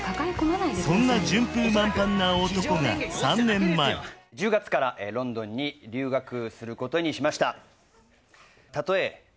そんな順風満帆な男が３年前１０月からロンドンに留学することにしましたたとえ